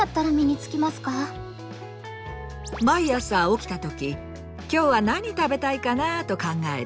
毎朝起きたとき「今日は何食べたいかなあ」と考える。